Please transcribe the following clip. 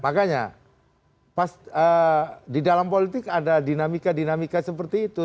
makanya pas di dalam politik ada dinamika dinamika seperti itu